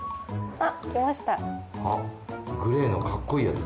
あっグレーのかっこいいやつ。